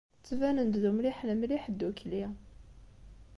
Ttbanen-d d umliḥen mliḥ ddukkli.